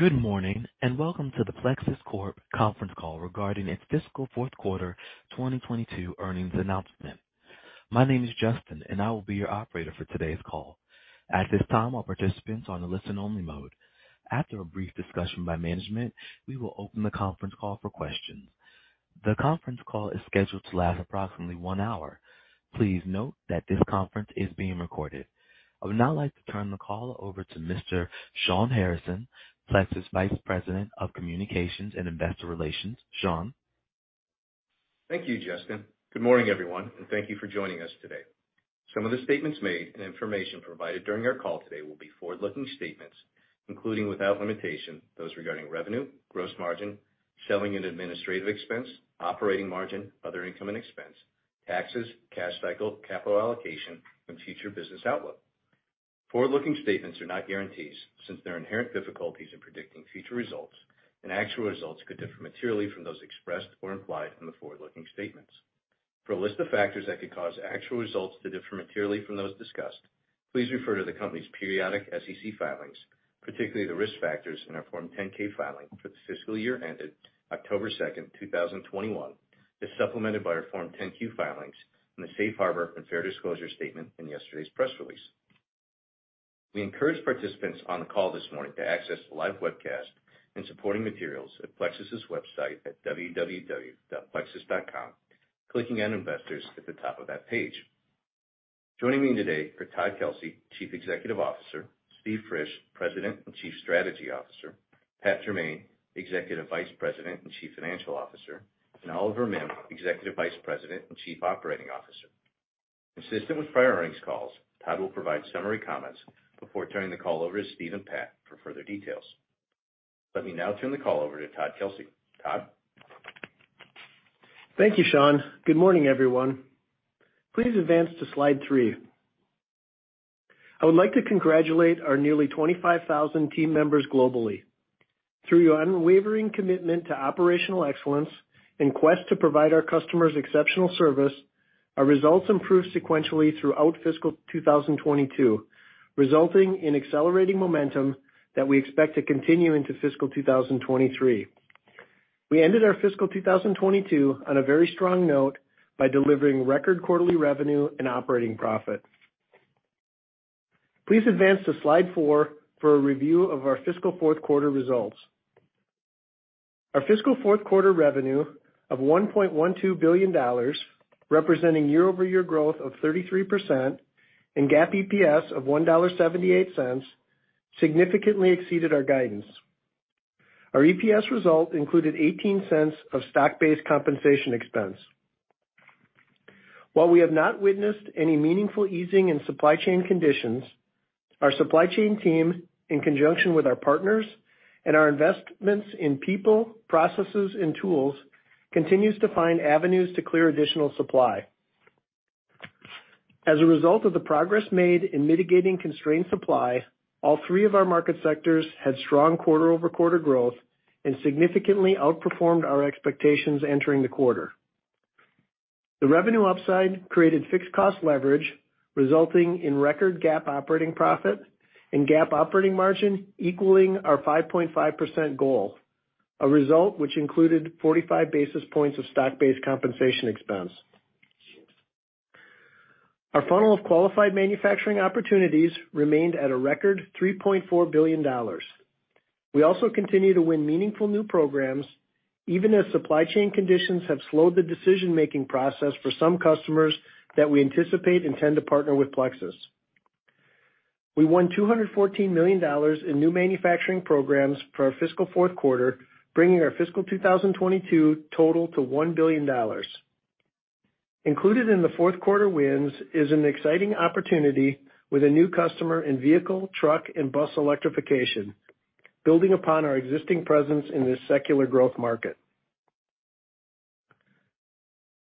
Good morning, and welcome to the Plexus Corp conference call regarding its fiscal fourth quarter 2022 earnings announcement. My name is Justin, and I will be your operator for today's call. At this time, all participants are on a listen-only mode. After a brief discussion by management, we will open the conference call for questions. The conference call is scheduled to last approximately one hour. Please note that this conference is being recorded. I would now like to turn the call over to Mr. Shawn Harrison, Plexus Vice President of Communications and Investor Relations. Shawn? Thank you, Justin. Good morning, everyone, and thank you for joining us today. Some of the statements made and information provided during our call today will be forward-looking statements, including without limitation, those regarding revenue, gross margin, selling and administrative expense, operating margin, other income and expense, taxes, cash cycle, capital allocation, and future business outlook. Forward-looking statements are not guarantees since there are inherent difficulties in predicting future results, and actual results could differ materially from those expressed or implied in the forward-looking statements. For a list of factors that could cause actual results to differ materially from those discussed, please refer to the company's periodic SEC filings, particularly the Risk Factors in our Form 10-K filing for the fiscal year ended October 2, 2021, as supplemented by our Form 10-Q filings in the Safe Harbor and Fair Disclosure statement in yesterday's press release. We encourage participants on the call this morning to access the live webcast and supporting materials at Plexus's website at www.plexus.com, clicking on Investors at the top of that page. Joining me today are Todd Kelsey, Chief Executive Officer, Steven Frisch, President and Chief Strategy Officer, Patrick Jermain, Executive Vice President and Chief Financial Officer, and Oliver Mihm, Executive Vice President and Chief Operating Officer. Consistent with prior earnings calls, Todd will provide summary comments before turning the call over to Steve and Pat for further details. Let me now turn the call over to Todd Kelsey. Todd? Thank you, Shawn. Good morning, everyone. Please advance to slide 3. I would like to congratulate our nearly 25,000 team members globally. Through your unwavering commitment to operational excellence and quest to provide our customers exceptional service, our results improved sequentially throughout fiscal 2022, resulting in accelerating momentum that we expect to continue into fiscal 2023. We ended our fiscal 2022 on a very strong note by delivering record quarterly revenue and operating profit. Please advance to slide 4 for a review of our fiscal fourth quarter results. Our fiscal fourth quarter revenue of $1.12 billion, representing year-over-year growth of 33% and GAAP EPS of $1.78, significantly exceeded our guidance. Our EPS result included 18 cents of stock-based compensation expense. While we have not witnessed any meaningful easing in supply chain conditions, our supply chain team, in conjunction with our partners and our investments in people, processes and tools, continues to find avenues to clear additional supply. As a result of the progress made in mitigating constrained supply, all three of our market sectors had strong quarter-over-quarter growth and significantly outperformed our expectations entering the quarter. The revenue upside created fixed cost leverage, resulting in record GAAP operating profit and GAAP operating margin equaling our 5.5% goal, a result which included 45 basis points of stock-based compensation expense. Our funnel of qualified manufacturing opportunities remained at a record $3.4 billion. We also continue to win meaningful new programs, even as supply chain conditions have slowed the decision-making process for some customers that we anticipate intend to partner with Plexus. We won $214 million in new manufacturing programs for our fiscal fourth quarter, bringing our fiscal 2022 total to $1 billion. Included in the fourth quarter wins is an exciting opportunity with a new customer in vehicle, truck, and bus electrification, building upon our existing presence in this secular growth market.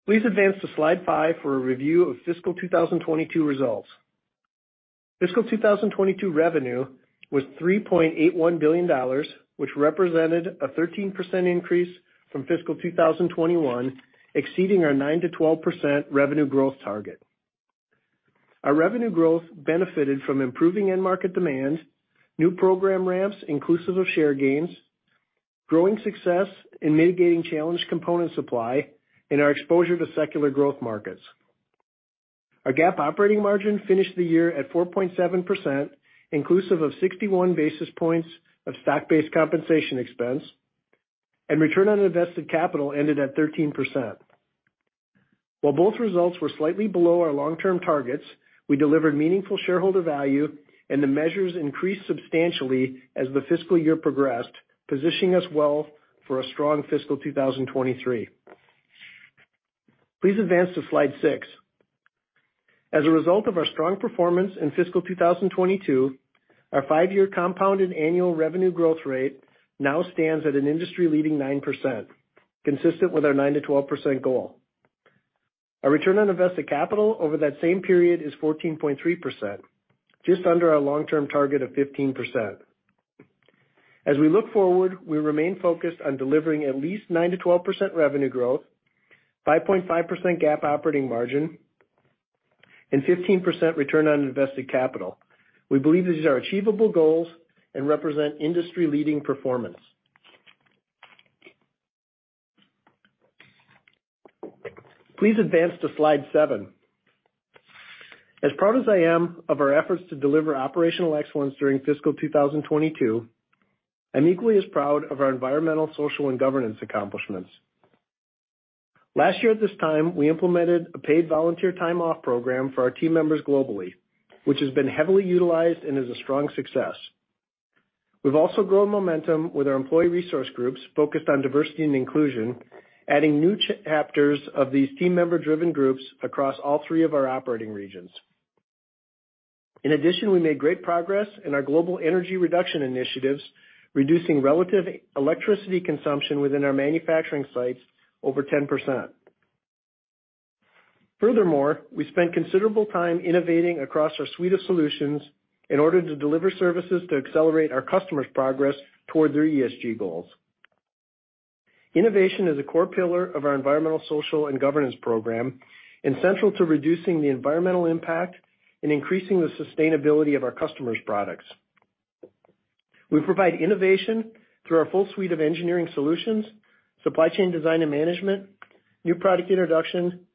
Please advance to slide 5 for a review of fiscal 2022 results. Fiscal 2022 revenue was $3.81 billion, which represented a 13% increase from fiscal 2021, exceeding our 9%-12% revenue growth target. Our revenue growth benefited from improving end market demand, new program ramps inclusive of share gains, growing success in mitigating challenged component supply, and our exposure to secular growth markets. Our GAAP operating margin finished the year at 4.7%, inclusive of 61 basis points of stock-based compensation expense, and return on invested capital ended at 13%. While both results were slightly below our long-term targets, we delivered meaningful shareholder value, and the measures increased substantially as the fiscal year progressed, positioning us well for a strong fiscal 2023. Please advance to slide 6. As a result of our strong performance in fiscal 2022, our 5-year compounded annual revenue growth rate now stands at an industry-leading 9%, consistent with our 9%-12% goal. Our return on invested capital over that same period is 14.3%, just under our long-term target of 15%. As we look forward, we remain focused on delivering at least 9%-12% revenue growth, 5.5% GAAP operating margin, and 15% return on invested capital. We believe these are achievable goals and represent industry-leading performance. Please advance to slide seven. As proud as I am of our efforts to deliver operational excellence during fiscal 2022, I'm equally as proud of our environmental, social, and governance accomplishments. Last year at this time, we implemented a paid volunteer time off program for our team members globally, which has been heavily utilized and is a strong success. We've also grown momentum with our employee resource groups focused on diversity and inclusion, adding new chapters of these team member-driven groups across all three of our operating regions. In addition, we made great progress in our global energy reduction initiatives, reducing relative electricity consumption within our manufacturing sites over 10%. Furthermore, we spent considerable time innovating across our suite of solutions in order to deliver services to accelerate our customers' progress toward their ESG goals. Innovation is a core pillar of our environmental, social, and governance program, and central to reducing the environmental impact and increasing the sustainability of our customers' products. We provide innovation through our full suite of engineering solutions, supply chain design and management, new product introduction,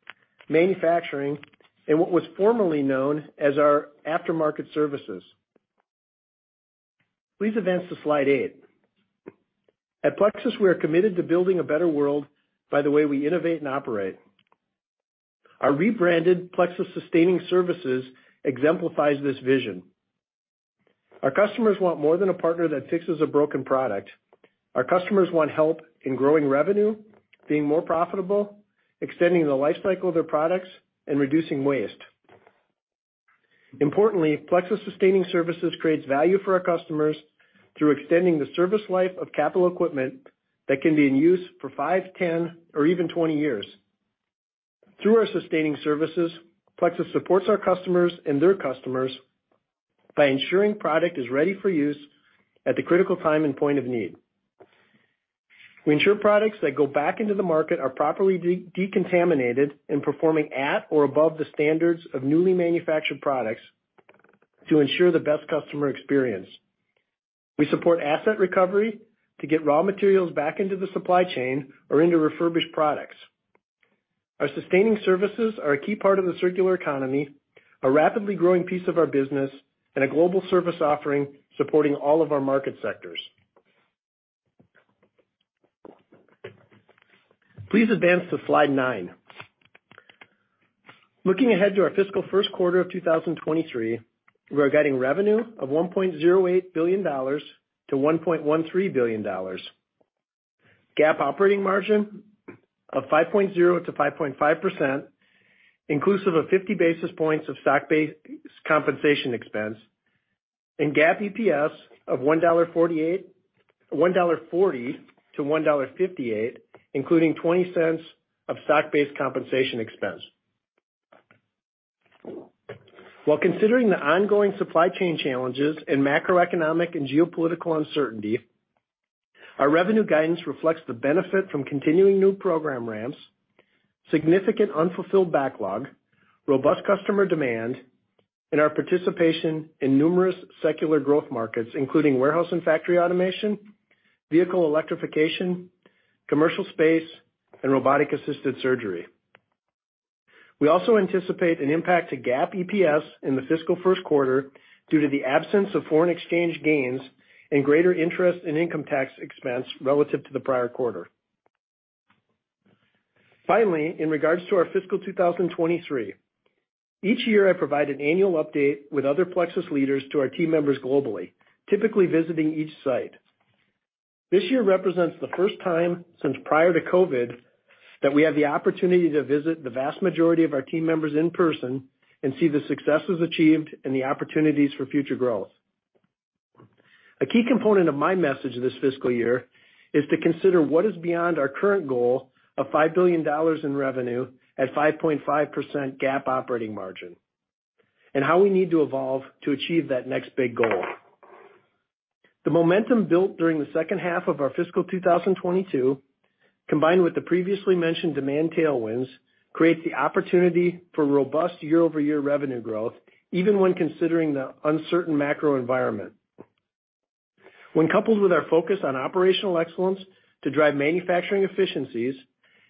manufacturing, and what was formerly known as our aftermarket services. Please advance to slide 8. At Plexus, we are committed to building a better world by the way we innovate and operate. Our rebranded Plexus Sustaining Services exemplifies this vision. Our customers want more than a partner that fixes a broken product. Our customers want help in growing revenue, being more profitable, extending the life cycle of their products, and reducing waste. Importantly, Plexus Sustaining Services creates value for our customers through extending the service life of capital equipment that can be in use for 5, 10, or even 20 years. Through our sustaining services, Plexus supports our customers and their customers by ensuring product is ready for use at the critical time and point of need. We ensure products that go back into the market are properly de-decontaminated and performing at or above the standards of newly manufactured products to ensure the best customer experience. We support asset recovery to get raw materials back into the supply chain or into refurbished products. Our sustaining services are a key part of the circular economy, a rapidly growing piece of our business and a global service offering supporting all of our market sectors. Please advance to slide 9. Looking ahead to our fiscal first quarter of 2023, we are guiding revenue of $1.08 billion-$1.13 billion. GAAP operating margin of 5.0%-5.5%, inclusive of 50 basis points of stock-based compensation expense. GAAP EPS of $1.40-$1.58, including 20 cents of stock-based compensation expense. While considering the ongoing supply chain challenges and macroeconomic and geopolitical uncertainty, our revenue guidance reflects the benefit from continuing new program ramps, significant unfulfilled backlog, robust customer demand, and our participation in numerous secular growth markets, including warehouse and factory automation, vehicle electrification, commercial space, and robotic-assisted surgery. We also anticipate an impact to GAAP EPS in the fiscal first quarter due to the absence of foreign exchange gains and greater interest and income tax expense relative to the prior quarter. Finally, in regards to our fiscal 2023, each year I provide an annual update with other Plexus leaders to our team members globally, typically visiting each site. This year represents the first time since prior to COVID that we have the opportunity to visit the vast majority of our team members in person and see the successes achieved and the opportunities for future growth. A key component of my message this fiscal year is to consider what is beyond our current goal of $5 billion in revenue at 5.5% GAAP operating margin, and how we need to evolve to achieve that next big goal. The momentum built during the second half of our fiscal 2022, combined with the previously mentioned demand tailwinds, creates the opportunity for robust year-over-year revenue growth, even when considering the uncertain macro environment. When coupled with our focus on operational excellence to drive manufacturing efficiencies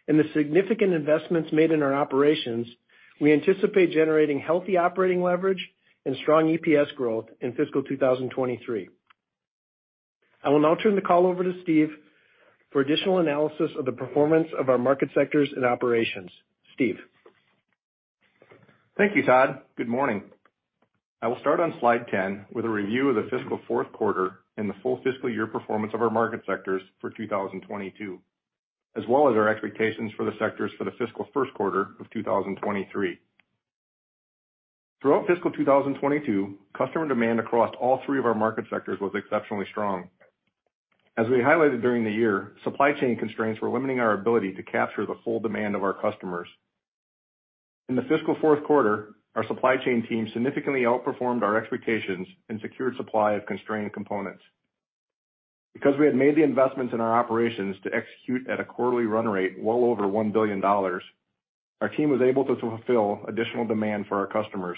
and the significant investments made in our operations, we anticipate generating healthy operating leverage and strong EPS growth in fiscal 2023. I will now turn the call over to Steve for additional analysis of the performance of our market sectors and operations. Steve? Thank you, Todd. Good morning. I will start on slide 10 with a review of the fiscal fourth quarter and the full fiscal year performance of our market sectors for 2022, as well as our expectations for the sectors for the fiscal first quarter of 2023. Throughout fiscal 2022, customer demand across all three of our market sectors was exceptionally strong. As we highlighted during the year, supply chain constraints were limiting our ability to capture the full demand of our customers. In the fiscal fourth quarter, our supply chain team significantly outperformed our expectations and secured supply of constrained components. Because we had made the investments in our operations to execute at a quarterly run rate well over $1 billion, our team was able to fulfill additional demand for our customers.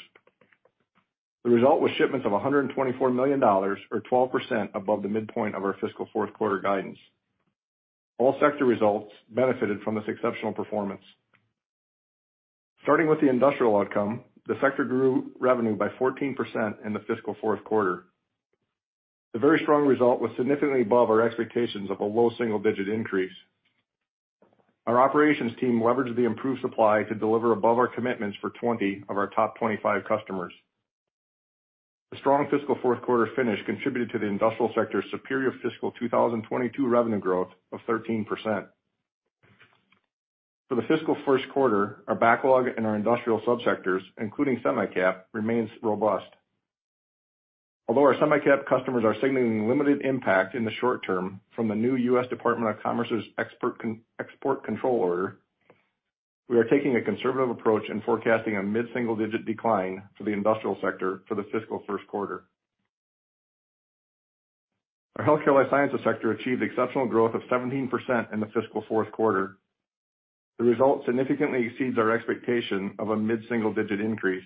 The result was shipments of $124 million, or 12% above the midpoint of our fiscal fourth quarter guidance. All sector results benefited from this exceptional performance. Starting with the industrial outcome, the sector grew revenue by 14% in the fiscal fourth quarter. The very strong result was significantly above our expectations of a low single-digit increase. Our operations team leveraged the improved supply to deliver above our commitments for 20 of our top 25 customers. The strong fiscal fourth quarter finish contributed to the Industrial sector's superior fiscal 2022 revenue growth of 13%. For the fiscal first quarter, our backlog in our industrial sub-sectors, including semi-cap, remains robust. Although our semi-cap customers are signaling limited impact in the short term from the new U.S. Department of Commerce's export control order, we are taking a conservative approach in forecasting a mid-single digit decline for the Industrial sector for the fiscal first quarter. Our Healthcare & Life Sciences sector achieved exceptional growth of 17% in the fiscal fourth quarter. The result significantly exceeds our expectation of a mid-single digit increase.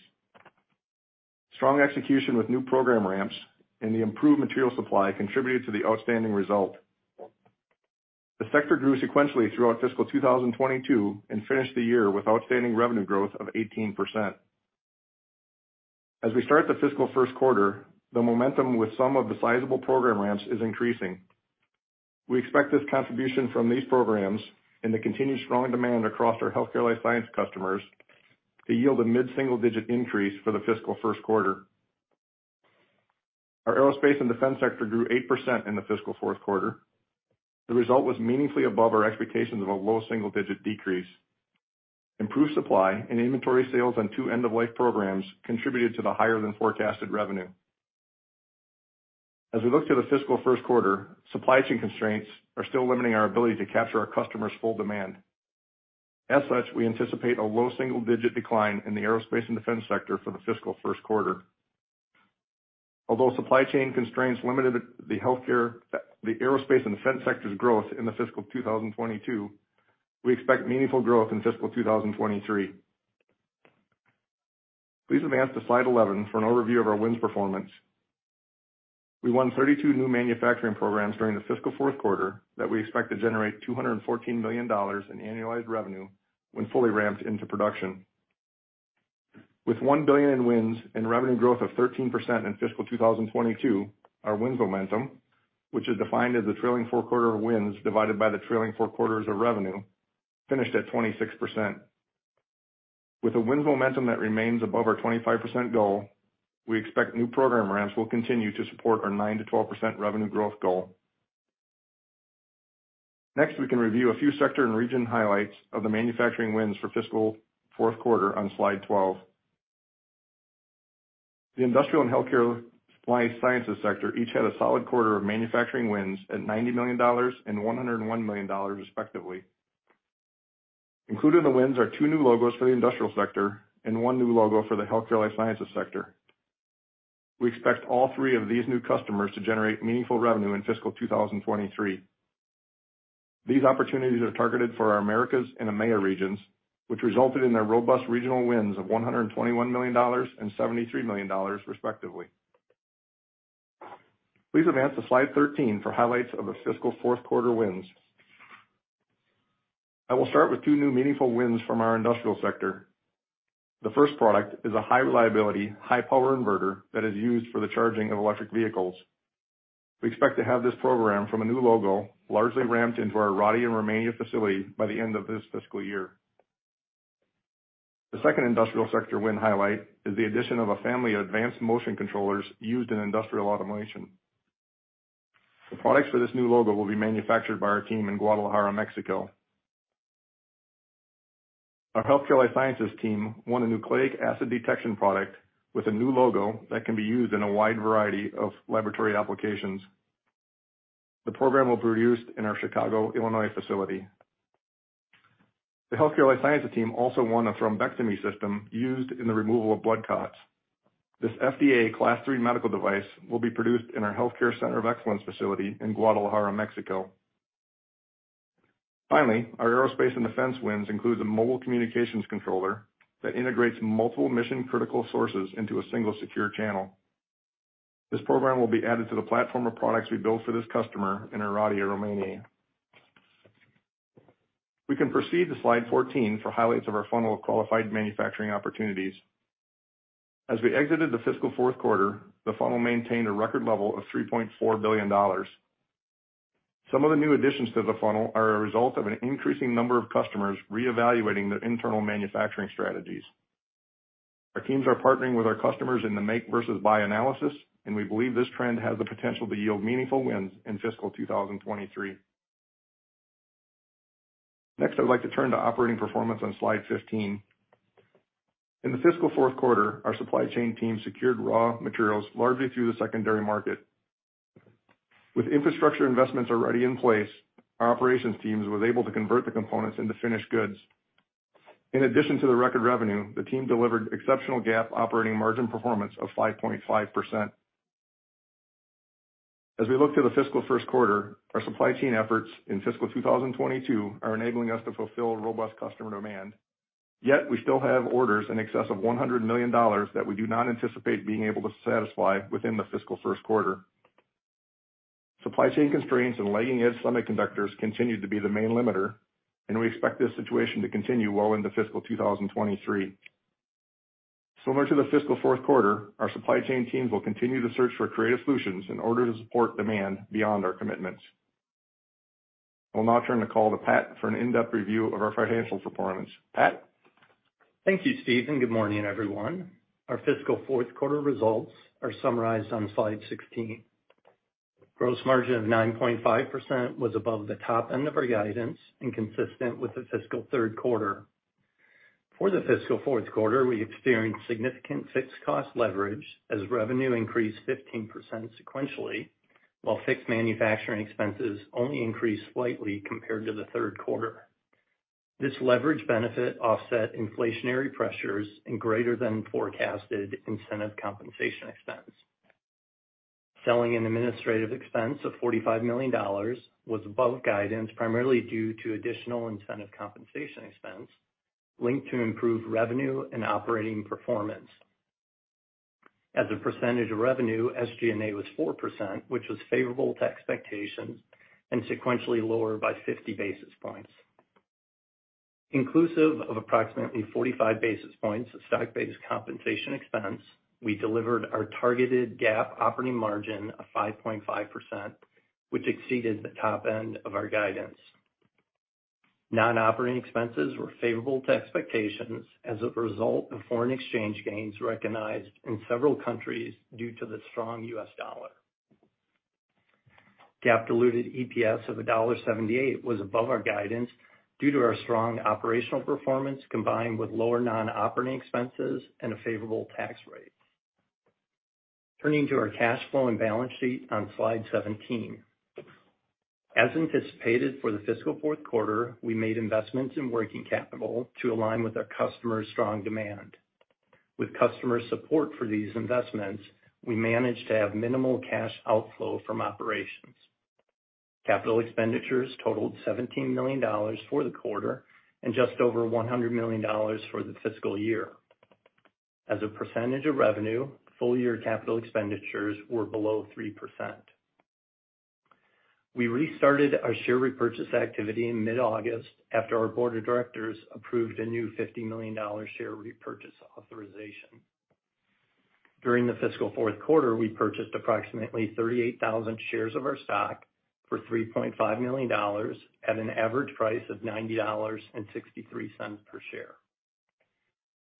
Strong execution with new program ramps and the improved material supply contributed to the outstanding result. The sector grew sequentially throughout fiscal 2022 and finished the year with outstanding revenue growth of 18%. As we start the fiscal first quarter, the momentum with some of the sizable program ramps is increasing. We expect this contribution from these programs and the continued strong demand across our healthcare & life sciences customers to yield a mid-single-digit increase for the fiscal first quarter. Our Aerospace & Defense sector grew 8% in the fiscal fourth quarter. The result was meaningfully above our expectations of a low single-digit decrease. Improved supply and inventory sales on two end-of-life programs contributed to the higher than forecasted revenue. As we look to the fiscal first quarter, supply chain constraints are still limiting our ability to capture our customers' full demand. As such, we anticipate a low single-digit decline in the Aerospace & Defense sector for the fiscal first quarter. Although supply chain constraints limited the Aerospace & defense sector's growth in fiscal 2022, we expect meaningful growth in fiscal 2023. Please advance to slide 11 for an overview of our wins performance. We won 32 new manufacturing programs during the fiscal fourth quarter that we expect to generate $214 million in annualized revenue when fully ramped into production. With $1 billion in wins and revenue growth of 13% in fiscal 2022, our wins momentum, which is defined as the trailing four-quarter wins divided by the trailing four quarters of revenue, finished at 26%. With a wins momentum that remains above our 25% goal, we expect new program ramps will continue to support our 9%-12% revenue growth goal. Next, we can review a few sector and region highlights of the manufacturing wins for fiscal fourth quarter on slide 12. The industrial and Healthcare & Life Sciences sector each had a solid quarter of manufacturing wins at $90 million and $101 million, respectively. Included in the wins are two new logos for the Industrial sector and one new logo for the Healthcare & Life Sciences sector. We expect all three of these new customers to generate meaningful revenue in fiscal 2023. These opportunities are targeted for our Americas and EMEA regions, which resulted in their robust regional wins of $121 million and $73 million, respectively. Please advance to slide 13 for highlights of the fiscal fourth quarter wins. I will start with two new meaningful wins from our Industrial sector. The first product is a high-reliability, high-power inverter that is used for the charging of electric vehicles. We expect to have this program from a new logo largely ramped into our Oradea, Romania facility by the end of this fiscal year. The second Industrial sector win highlight is the addition of a family of advanced motion controllers used in industrial automation. The products for this new logo will be manufactured by our team in Guadalajara, Mexico. Our healthcare life sciences team won a nucleic acid detection product with a new logo that can be used in a wide variety of laboratory applications. The program will be produced in our Chicago, Illinois, facility. The healthcare life sciences team also won a thrombectomy system used in the removal of blood clots. This FDA Class III medical device will be produced in our Healthcare Center of Excellence facility in Guadalajara, Mexico. Finally, our Aerospace & Defense wins includes a mobile communications controller that integrates multiple mission-critical sources into a single secure channel. This program will be added to the platform of products we built for this customer in Oradea, Romania. We can proceed to slide 14 for highlights of our funnel of qualified manufacturing opportunities. As we exited the fiscal fourth quarter, the funnel maintained a record level of $3.4 billion. Some of the new additions to the funnel are a result of an increasing number of customers reevaluating their internal manufacturing strategies. Our teams are partnering with our customers in the make versus buy analysis, and we believe this trend has the potential to yield meaningful wins in fiscal 2023. Next, I'd like to turn to operating performance on slide 15. In the fiscal fourth quarter, our supply chain team secured raw materials largely through the secondary market. With infrastructure investments already in place, our operations teams was able to convert the components into finished goods. In addition to the record revenue, the team delivered exceptional GAAP operating margin performance of 5.5%. As we look to the fiscal first quarter, our supply chain efforts in fiscal 2022 are enabling us to fulfill robust customer demand. Yet we still have orders in excess of $100 million that we do not anticipate being able to satisfy within the fiscal first quarter. Supply chain constraints and lagging edge semiconductors continue to be the main limiter, and we expect this situation to continue well into fiscal 2023. Similar to the fiscal fourth quarter, our supply chain teams will continue to search for creative solutions in order to support demand beyond our commitments. I'll now turn the call to Pat for an in-depth review of our financial performance. Pat? Thank you, Steve, and good morning, everyone. Our fiscal fourth quarter results are summarized on slide 16. Gross margin of 9.5% was above the top end of our guidance, and consistent with the fiscal third quarter. For the fiscal fourth quarter, we experienced significant fixed cost leverage as revenue increased 15% sequentially, while fixed manufacturing expenses only increased slightly compared to the third quarter. This leverage benefit offset inflationary pressures and greater than forecasted incentive compensation expense. Selling and administrative expense of $45 million was above guidance, primarily due to additional incentive compensation expense linked to improved revenue and operating performance. As a percentage of revenue, SG&A was 4%, which was favorable to expectations, and sequentially lower by 50 basis points. Inclusive of approximately 45 basis points of stock-based compensation expense, we delivered our targeted GAAP operating margin of 5.5%, which exceeded the top end of our guidance. Non-operating expenses were favorable to expectations as a result of foreign exchange gains recognized in several countries due to the strong U.S. dollar. GAAP diluted EPS of $1.78 was above our guidance due to our strong operational performance, combined with lower non-operating expenses and a favorable tax rate. Turning to our cash flow and balance sheet on slide 17. As anticipated for the fiscal fourth quarter, we made investments in working capital to align with our customers' strong demand. With customer support for these investments, we managed to have minimal cash outflow from operations. Capital expenditures totaled $17 million for the quarter and just over $100 million for the fiscal year. As a percentage of revenue, full year capital expenditures were below 3%. We restarted our share repurchase activity in mid-August after our board of directors approved a new $50 million share repurchase authorization. During the fiscal fourth quarter, we purchased approximately 38,000 shares of our stock for $3.5 million at an average price of $90.63 per share.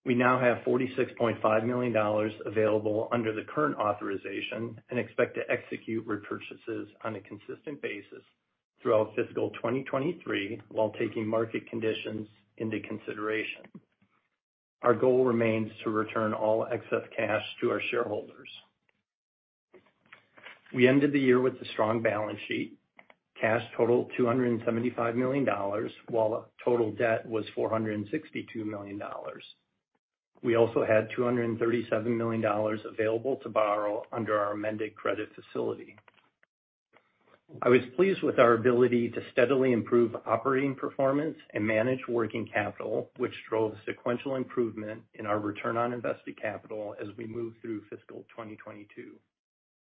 We now have $46.5 million available under the current authorization, and expect to execute repurchases on a consistent basis throughout fiscal 2023, while taking market conditions into consideration. Our goal remains to return all excess cash to our shareholders. We ended the year with a strong balance sheet. Cash totaled $275 million, while total debt was $462 million. We also had $237 million available to borrow under our amended credit facility. I was pleased with our ability to steadily improve operating performance and manage working capital, which drove sequential improvement in our return on invested capital as we moved through fiscal 2022.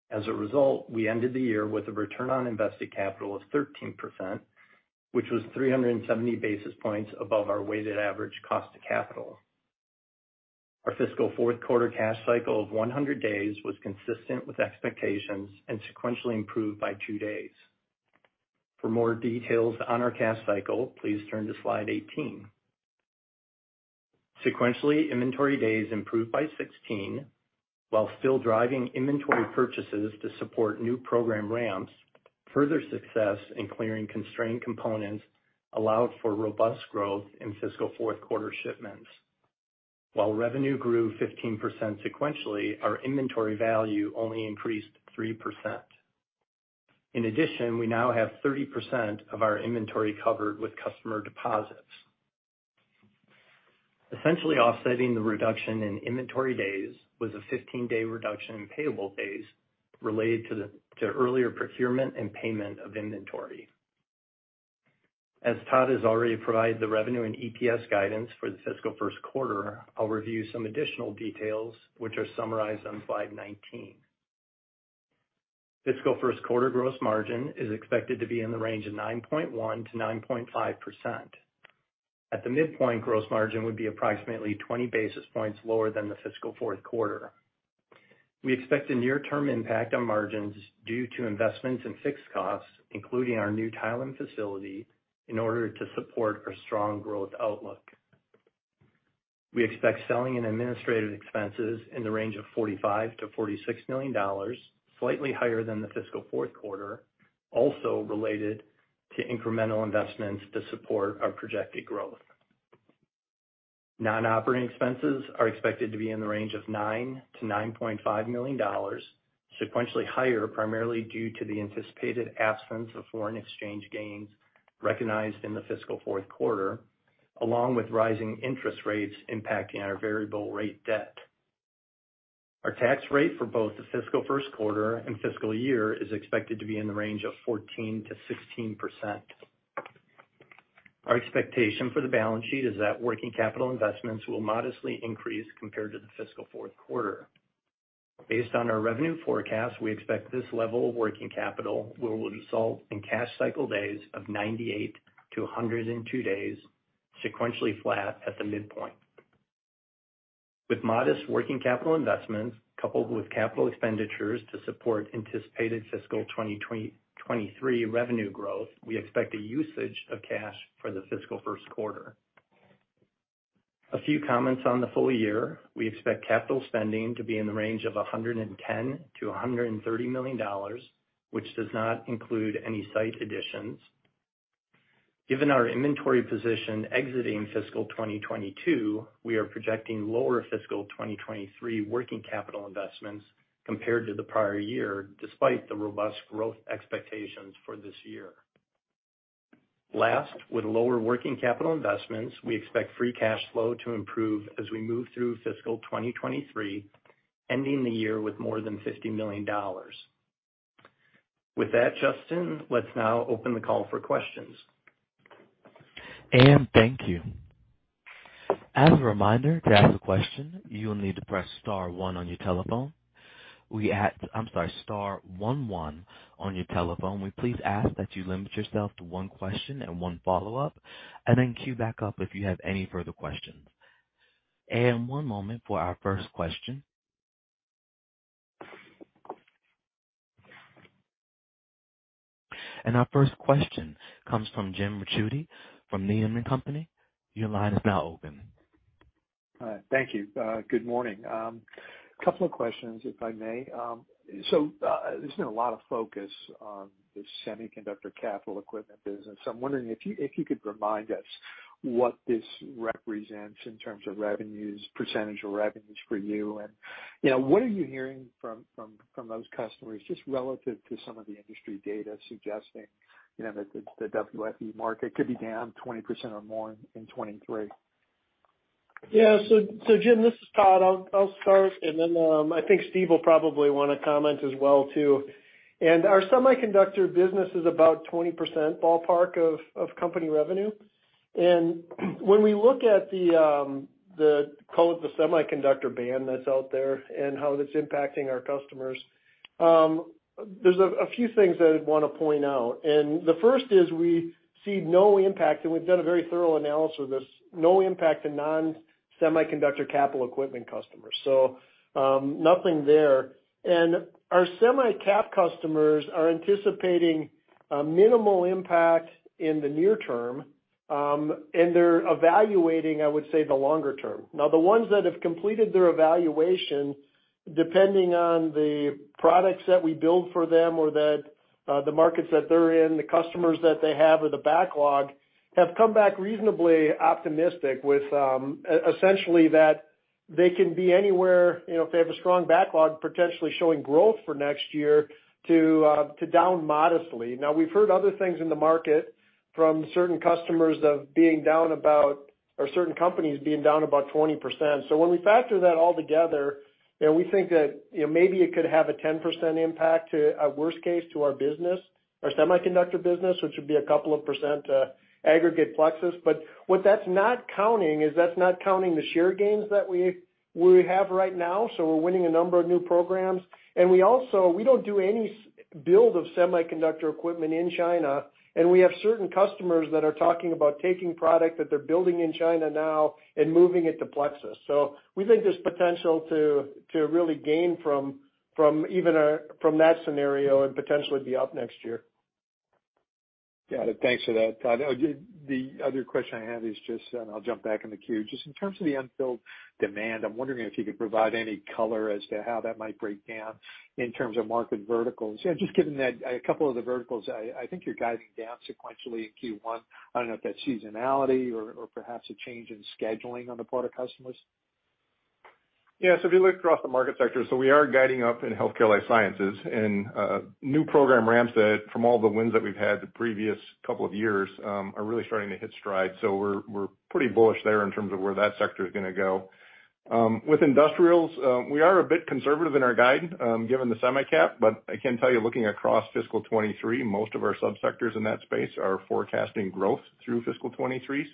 As a result, we ended the year with a return on invested capital of 13%, which was 370 basis points above our weighted average cost of capital. Our fiscal fourth quarter cash cycle of 100 days was consistent with expectations, and sequentially improved by 2 days. For more details on our cash cycle, please turn to slide 18. Sequentially, inventory days improved by 16, while still driving inventory purchases to support new program ramps. Further success in clearing constrained components allowed for robust growth in fiscal fourth quarter shipments. While revenue grew 15% sequentially, our inventory value only increased 3%. In addition, we now have 30% of our inventory covered with customer deposits. Essentially offsetting the reduction in inventory days was a 15-day reduction in payable days related to earlier procurement and payment of inventory. As Todd has already provided the revenue and EPS guidance for the fiscal first quarter, I'll review some additional details which are summarized on slide 19. Fiscal first quarter gross margin is expected to be in the range of 9.1%-9.5%. At the midpoint, gross margin would be approximately 20 basis points lower than the fiscal fourth quarter. We expect a near-term impact on margins due to investments in fixed costs, including our new Thailand facility, in order to support our strong growth outlook. We expect selling and administrative expenses in the range of $45 million-$46 million, slightly higher than the fiscal fourth quarter, also related to incremental investments to support our projected growth. Non-operating expenses are expected to be in the range of $9 million-$9.5 million. Sequentially higher primarily due to the anticipated absence of foreign exchange gains recognized in the fiscal fourth quarter, along with rising interest rates impacting our variable rate debt. Our tax rate for both the fiscal first quarter and fiscal year is expected to be in the range of 14%-16%. Our expectation for the balance sheet is that working capital investments will modestly increase compared to the fiscal fourth quarter. Based on our revenue forecast, we expect this level of working capital will result in cash cycle days of 98-102 days, sequentially flat at the midpoint. With modest working capital investments, coupled with capital expenditures to support anticipated fiscal 2023 revenue growth, we expect a usage of cash for the fiscal first quarter. A few comments on the full year. We expect capital spending to be in the range of $110 million-$130 million, which does not include any site additions. Given our inventory position exiting fiscal 2022, we are projecting lower fiscal 2023 working capital investments compared to the prior year, despite the robust growth expectations for this year. Last, with lower working capital investments, we expect free cash flow to improve as we move through fiscal 2023, ending the year with more than $50 million. With that, Justin, let's now open the call for questions. Thank you. As a reminder, to ask a question, you will need to press star one on your telephone. I'm sorry, star one one on your telephone. We please ask that you limit yourself to one question and one follow-up, and then queue back up if you have any further questions. One moment for our first question. Our first question comes from James Ricchiuti from Needham & Company. Your line is now open. All right. Thank you. Good morning. A couple of questions, if I may. There's been a lot of focus on the semiconductor capital equipment business. I'm wondering if you could remind us what this represents in terms of revenues, percentage of revenues for you, and, you know, what are you hearing from those customers just relative to some of the industry data suggesting, you know, that the WFE market could be down 20% or more in 2023. Yeah. Jim, this is Todd. I'll start, and then I think Steve will probably wanna comment as well too. Our semiconductor business is about 20% ballpark of company revenue. When we look at the call it the semiconductor ban that's out there and how that's impacting our customers, there's a few things that I'd wanna point out. The first is we see no impact, and we've done a very thorough analysis of this, no impact to non-semiconductor capital equipment customers. Nothing there. Our semi-cap customers are anticipating a minimal impact in the near term, and they're evaluating, I would say, the longer term. Now, the ones that have completed their evaluation, depending on the products that we build for them or that, the markets that they're in, the customers that they have, or the backlog, have come back reasonably optimistic with essentially that they can be anywhere, you know, if they have a strong backlog, potentially showing growth for next year to down modestly. Now, we've heard other things in the market from certain customers of being down about, or certain companies being down about 20%. When we factor that all together, you know, we think that, you know, maybe it could have a 10% impact to a worst case to our business, our semiconductor business, which would be a couple of percent, aggregate Plexus. What that's not counting is the share gains that we have right now, so we're winning a number of new programs. We also don't do any build of semiconductor equipment in China, and we have certain customers that are talking about taking product that they're building in China now and moving it to Plexus. We think there's potential to really gain from even that scenario and potentially be up next year. Got it. Thanks for that, Todd. The other question I had is just, and I'll jump back in the queue, just in terms of the unfilled demand, I'm wondering if you could provide any color as to how that might break down in terms of market verticals. You know, just given that a couple of the verticals, I think you're guiding down sequentially in Q1. I don't know if that's seasonality or perhaps a change in scheduling on the part of customers. Yeah. If you look across the market sectors, we are guiding up in Healthcare & Life Sciences, and new program ramps from all the wins that we've had the previous couple of years are really starting to hit stride. We're pretty bullish there in terms of where that sector is gonna go. With Industrials, we are a bit conservative in our guide, given the semi-cap, but I can tell you looking across fiscal 2023, most of our sub-sectors in that space are forecasting growth through fiscal 2023.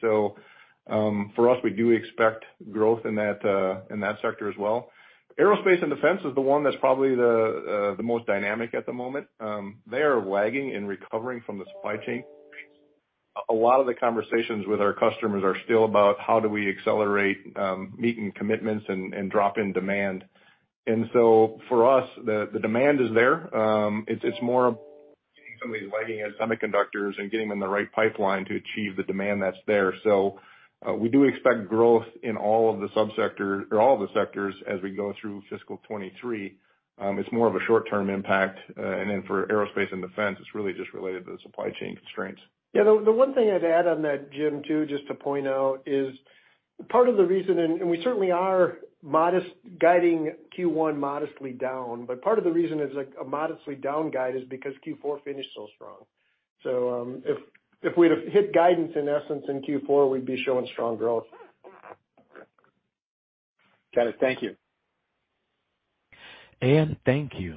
For us, we do expect growth in that sector as well. Aerospace & Defense is the one that's probably the most dynamic at the moment. They are lagging and recovering from the supply chain. A lot of the conversations with our customers are still about how do we accelerate meeting commitments and drop in demand. For us, the demand is there. It's more getting supply lagging in semiconductors and getting them in the right pipeline to achieve the demand that's there. We do expect growth in all of the sub-sectors or all of the sectors as we go through fiscal 2023. It's more of a short-term impact. For aerospace and defense, it's really just related to the supply chain constraints. Yeah. The one thing I'd add on that, Jim, too, just to point out, is part of the reason, and we certainly are modestly guiding Q1 modestly down, but part of the reason is like a modestly down guide is because Q4 finished so strong. If we'd have hit guidance in essence in Q4, we'd be showing strong growth. Got it. Thank you. Ian, thank you.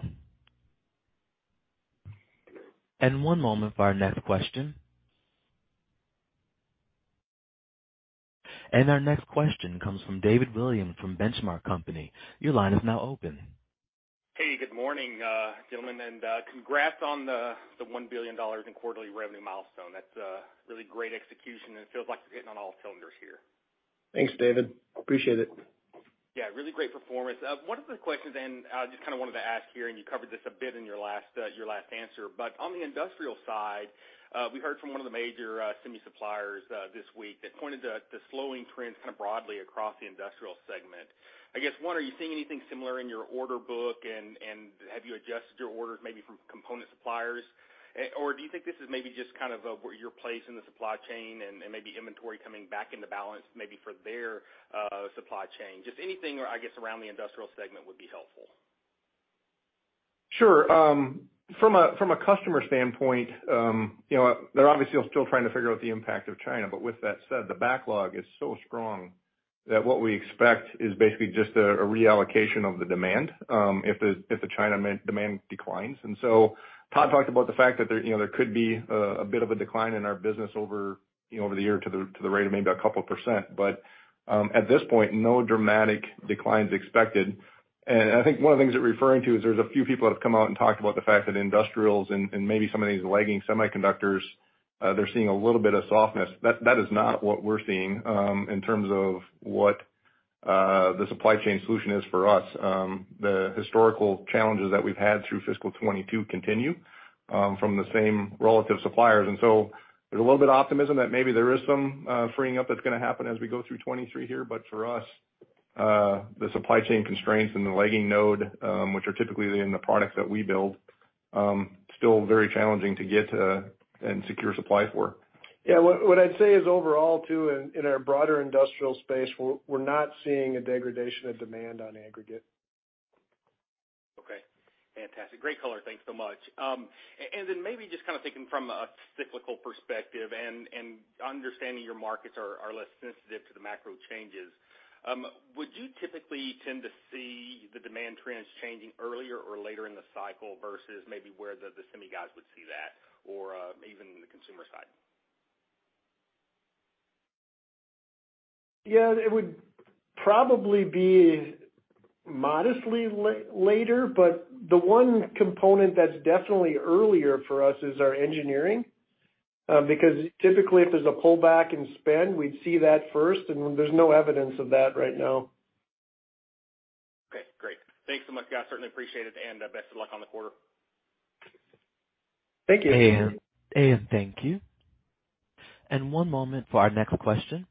One moment for our next question. Our next question comes from David Williams from The Benchmark Company. Your line is now open. Hey, good morning, gentlemen and congrats on the $1 billion in quarterly revenue milestone. That's really great execution and it feels like you're hitting on all cylinders here. Thanks, David. Appreciate it. Yeah, really great performance. One of the questions, and I just kinda wanted to ask here, and you covered this a bit in your last answer, but on the industrial side, we heard from one of the major semi suppliers this week that pointed to slowing trends kinda broadly across the industrial segment. I guess one, are you seeing anything similar in your order book and have you adjusted your orders maybe from component suppliers? Or do you think this is maybe just kind of where your place in the supply chain and maybe inventory coming back into balance, maybe for their supply chain? Just anything, I guess, around the industrial segment would be helpful. Sure. From a customer standpoint, you know, they're obviously all still trying to figure out the impact of China, but with that said, the backlog is so strong that what we expect is basically just a reallocation of the demand, if the China demand declines. Todd talked about the fact that, you know, there could be a bit of a decline in our business over the year to the rate of maybe a couple %, but at this point, no dramatic declines expected. I think one of the things they're referring to is there's a few people that have come out and talked about the fact that industrials and maybe some of these lagging semiconductors, they're seeing a little bit of softness. That is not what we're seeing in terms of what the supply chain solution is for us. The historical challenges that we've had through fiscal 2022 continue from the same relative suppliers. There's a little bit of optimism that maybe there is some freeing up that's gonna happen as we go through 2023 here. For us, the supply chain constraints and the lagging node, which are typically in the products that we build, still very challenging to get and secure supply for. Yeah. What I'd say is overall too in our broader industrial space, we're not seeing a degradation of demand on aggregate. Okay. Fantastic. Great color. Thanks so much. Maybe just kinda thinking from a cyclical perspective and understanding your markets are less sensitive to the macro changes, would you typically tend to see the demand trends changing earlier or later in the cycle versus maybe where the semi guys would see that or even the consumer side? Yeah, it would probably be modestly later, but the one component that's definitely earlier for us is our engineering, because typically if there's a pullback in spend, we'd see that first, and there's no evidence of that right now. Okay. Great. Thanks so much, guys. Certainly appreciate it, and best of luck on the quarter. Thank you. Ian. Ian, thank you. One moment for our next question.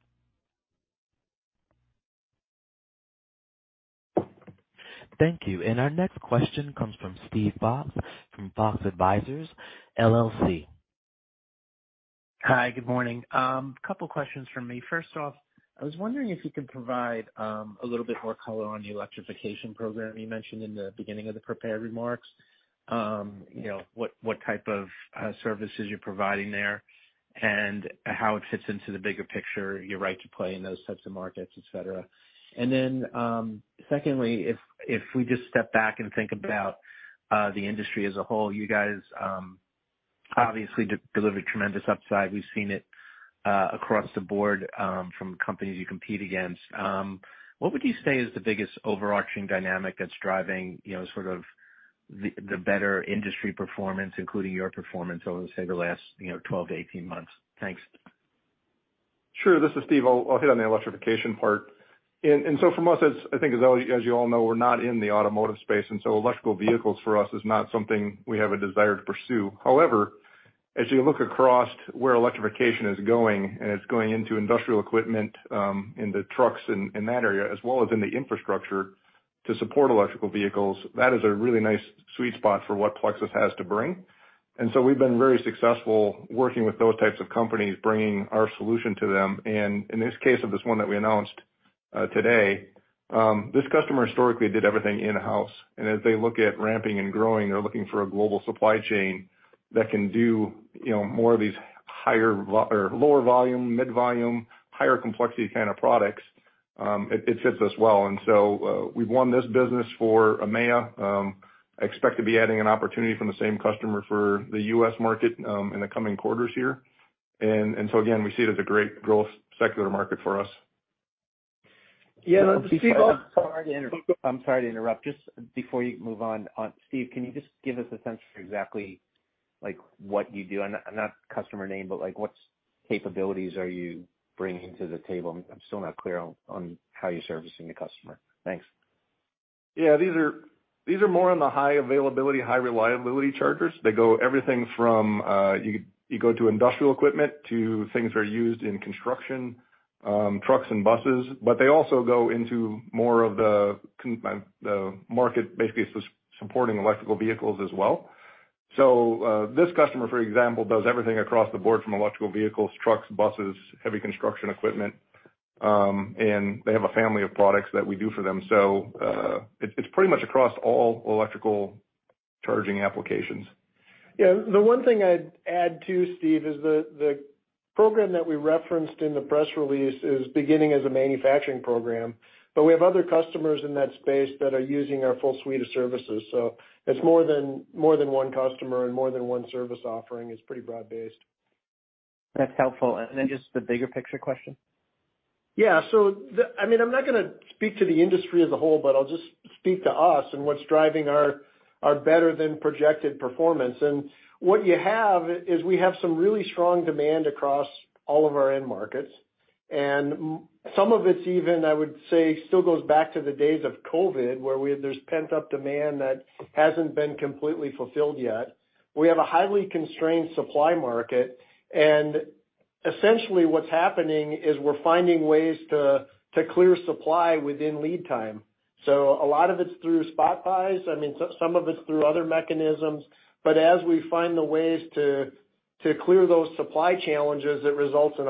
Thank you. Our next question comes from Steve Fox from Fox Advisors, LLC. Hi. Good morning. Couple questions from me. First off, I was wondering if you could provide a little bit more color on the electrification program you mentioned in the beginning of the prepared remarks. You know, what type of services you're providing there and how it fits into the bigger picture, your right to play in those types of markets, et cetera. Secondly, if we just step back and think about the industry as a whole, you guys obviously delivered tremendous upside. We've seen it across the board from companies you compete against. What would you say is the biggest overarching dynamic that's driving, you know, sort of the better industry performance, including your performance over, say, the last 12-18 months? Thanks. Sure. This is Steve. I'll hit on the electrification part. For us, as I think as all, as you all know, we're not in the automotive space, and so electric vehicles for us is not something we have a desire to pursue. However, as you look across where electrification is going and it's going into industrial equipment, into trucks in that area, as well as in the infrastructure to support electric vehicles, that is a really nice sweet spot for what Plexus has to bring. We've been very successful working with those types of companies, bringing our solution to them. In this case of this one that we announced today, this customer historically did everything in-house. As they look at ramping and growing, they're looking for a global supply chain that can do, you know, more of these lower volume, mid-volume, higher complexity kind of products. It fits us well. We've won this business for EMEA. Expect to be adding an opportunity from the same customer for the U.S. market in the coming quarters here. We see it as a great growth secular market for us. Yeah, Steve. I'm sorry to inter- Go. I'm sorry to interrupt. Just before you move on, Steve, can you just give us a sense for exactly like what you do? Not customer name, but like what capabilities are you bringing to the table? I'm still not clear on how you're servicing the customer. Thanks. Yeah. These are more on the high availability, high reliability chargers. They go into everything from, you know, industrial equipment to things that are used in construction, trucks and buses, but they also go into more of the market basically supporting electric vehicles as well. This customer, for example, does everything across the board from electric vehicles, trucks, buses, heavy construction equipment. They have a family of products that we do for them. It's pretty much across all electrical charging applications. Yeah. The one thing I'd add too, Steve, is the program that we referenced in the press release is beginning as a manufacturing program, but we have other customers in that space that are using our full suite of services. It's more than one customer and more than one service offering. It's pretty broad-based. That's helpful. Just the bigger picture question. Yeah. I mean, I'm not gonna speak to the industry as a whole, but I'll just speak to us and what's driving our better than projected performance. What you have is we have some really strong demand across all of our end markets. Some of it's even, I would say, still goes back to the days of COVID, where we had this pent-up demand that hasn't been completely fulfilled yet. We have a highly constrained supply market, and essentially what's happening is we're finding ways to clear supply within lead time. A lot of it's through spot buys. I mean, some of it's through other mechanisms, but as we find the ways to clear those supply challenges, it results in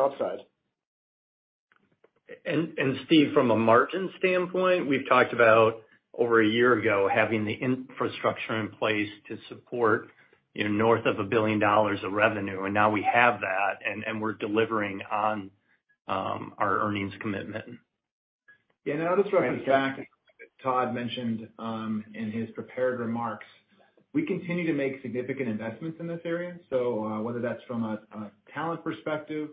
upside. Steve, from a margin standpoint, we've talked about over a year ago having the infrastructure in place to support, you know, north of $1 billion of revenue, and now we have that and we're delivering on our earnings commitment. Yeah. I'll just reference back. Todd mentioned in his prepared remarks, we continue to make significant investments in this area. Whether that's from a talent perspective,